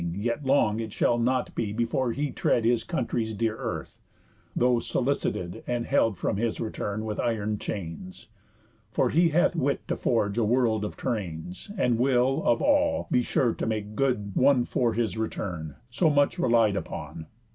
Yet long it shall not be before he tread His country's dear earth, though solicited, And held from his return, with iron chains; For he hath wit to forge a world of trains, And will, of all, be sure to make good one For his return, so much relied upon.